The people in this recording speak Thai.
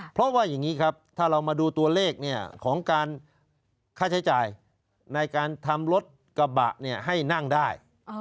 เพราะว่าอย่างนี้ครับถ้าเรามาดูตัวเลขของการค่าใช้จ่ายในการทำรถกระบะให้นั่งได้